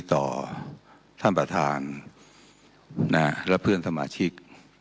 ต่อท่านประธานและเพื่อนสมาชิก